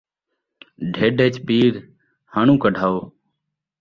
ڈھڈھ ءِچ پیڑ ، ہݨوں کڈھاؤ